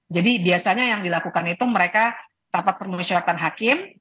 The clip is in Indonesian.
jadi biasanya yang dilakukan itu mereka dapat permusyaratan hakim